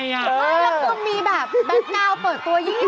แล้วต้องมีแบตดาวน์เปิดตัวยิ่งไหน